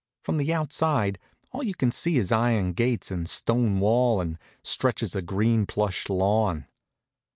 From the outside all you can see is iron gates and stone wall and stretches of green plush lawn.